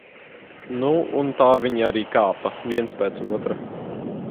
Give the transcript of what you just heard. Nu, un tā viņi arī kāpa, viens pēc otra.